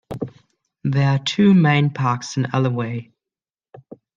There are two main parks in Alloway.